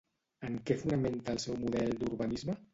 En què fonamenta el seu model d'urbanisme?